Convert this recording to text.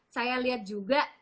saya lihat juga